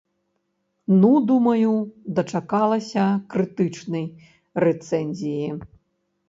Ну, думаю, дачакалася крытычнай рэцэнзіі.